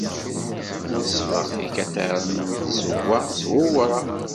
Nesbeɣ ikataren n tzewwa s wewraɣ.